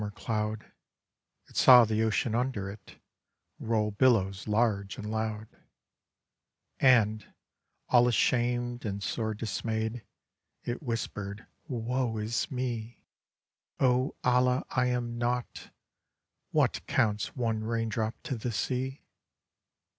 mer cloud, It saw the Ocean under it Roll billows large and loud; And, all ashamed and sore dismayed, It whispered, " Woe is me! 0 Allah, I am naught! What counts One Rain Drop to the Sea?"